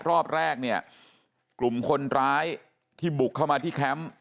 รอบแรกเนี่ยกลุ่มคนร้ายที่บุกเข้ามาที่แคมป์